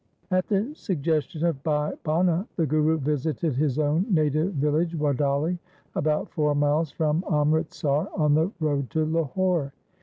At the suggestion of Bhai Bhana the Guru visited his own native village Wadali, about four miles from Amritsar on the road to Lahore.